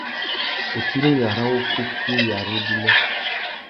Wutirimiya râ wuffúffüiya râ ibinô.